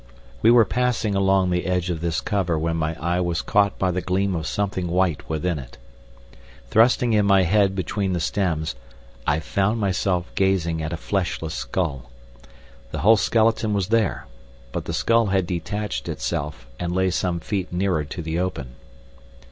We were passing along the edge of this cover when my eye was caught by the gleam of something white within it. Thrusting in my head between the stems, I found myself gazing at a fleshless skull. The whole skeleton was there, but the skull had detached itself and lay some feet nearer to the open.